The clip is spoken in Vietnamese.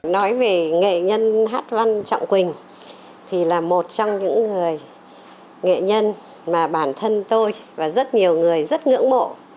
nói về nghệ nhân hát văn trọng quỳnh thì là một trong những người nghệ nhân mà bản thân tôi và rất nhiều người rất ngưỡng mộ